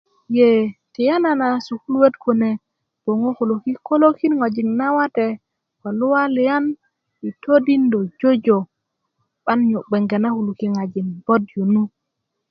ye tiyanana sukuluöt kune boŋö koloki kolokin ŋojik nawate ko luwaliyan i todindö jojo 'ban nyu bge na kulu kiŋajin bot yu nu